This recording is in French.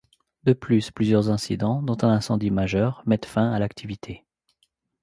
De plus, plusieurs incidents, dont un incendie majeur, mettent fin à l'activité.